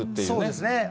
そうですね。